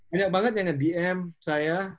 banyak banget yang ngedm saya